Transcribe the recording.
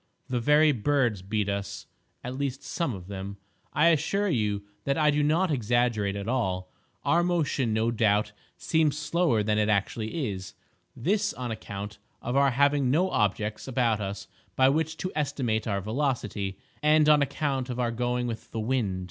The very birds beat us—at least some of them. I assure you that I do not exaggerate at all. Our motion, no doubt, seems slower than it actually is—this on account of our having no objects about us by which to estimate our velocity, and on account of our going with the wind.